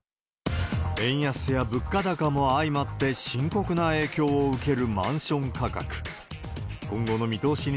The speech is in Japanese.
円安や物価高も相まって、深刻な影響を受けるマンション価格。